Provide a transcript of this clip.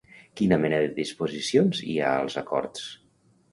Quina mena de disposicions hi ha als acords?